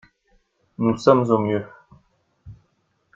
Nous sommes au mieux.